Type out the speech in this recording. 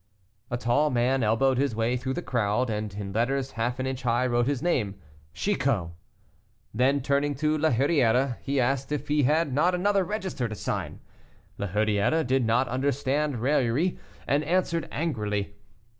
A tall man elbowed his way through the crowd, and in letters half an inch high, wrote his name, 'Chicot.' Then, turning to La Hurière, he asked if he had not another register to sign. La Hurière did not understand raillery, and answered angrily.